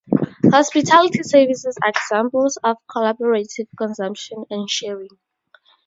Hospitality services are examples of collaborative consumption and sharing.